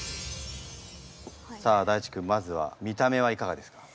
さあ大馳くんまずは見た目はいかがですか？